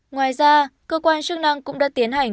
ngoài ra cơ quan chức năng cũng đã tiến hành